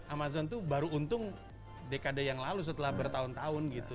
amazon tuh baru untung dekade yang lalu setelah bertahun tahun gitu